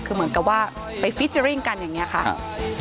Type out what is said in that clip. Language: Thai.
คือลุงพลเนี่ยเขาไปซ้อมเพลงเนี่ยอยู่หลายวันแล้ว